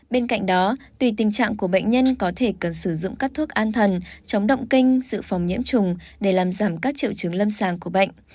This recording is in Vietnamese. bên cạnh đó tùy tình trạng của bệnh nhân có thể cần sử dụng các thuốc an thần chống động kinh sự phòng nhiễm trùng để làm giảm các triệu chứng lâm sàng của bệnh